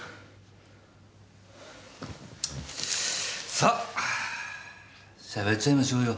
さあしゃべっちゃいましょうよ